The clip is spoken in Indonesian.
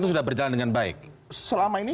itu sudah berjalan dengan baik selama ini